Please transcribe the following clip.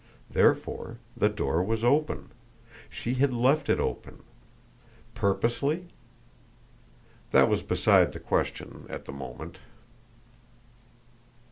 Therefore, the door was open. She had left it open. Purposely? That was beside the question at the moment.